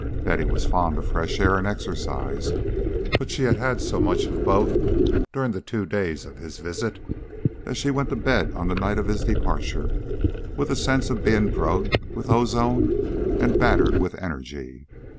Betty was fond of fresh air and exercise, but she had so much of both during the two days of his visit that she went to bed on the night of his departure with a sense of being drugged with ozone and battered with energy.